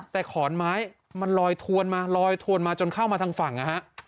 แต่ขอนไม้มันลอยทวนมาลอยทวนมาจนเข้ามาทางฝั่งนะฮะ